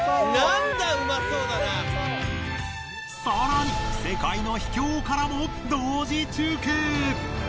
更に世界の秘境からも同時中継。